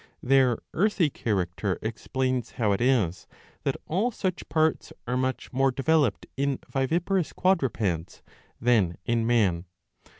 Their earthy character explains how it is that all such parts are much more developed in viviparous quadrupeds than in man.